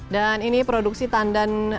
dan ini produksi tandan